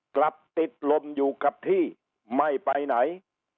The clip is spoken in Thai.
กลับติดลมอยู่กับที่ไม่ไปไหน